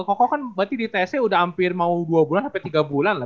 kokoh kan berarti di tc udah hampir mau dua bulan sampai tiga bulan lah